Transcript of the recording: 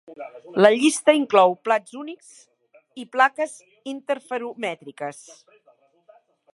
La llista inclou plats únics i plaques interferomètriques.